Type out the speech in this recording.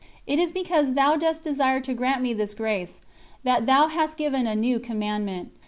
It is because Thou dost desire to grant me this grace that Thou hast given a New Commandment.